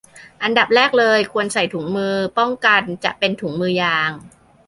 อันดับแรกเลยควรใส่ถุงมือป้องกัน จะเป็นถุงมือยาง